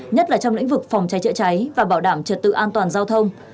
nhất là trong lĩnh vực phòng cháy chữa cháy và bảo đảm trật tự an toàn giao thông